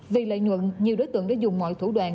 vì lợi nhuận nhiều đối tượng đã dùng mọi thủ đoạn